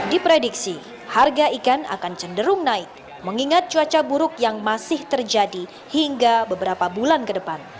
diprediksi harga ikan akan cenderung naik mengingat cuaca buruk yang masih terjadi hingga beberapa bulan ke depan